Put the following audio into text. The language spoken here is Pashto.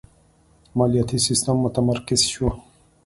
مالیاتی سیستم متمرکز شو.